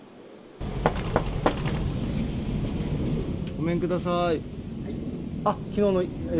ごめんください。